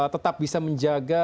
tetap bisa menjaga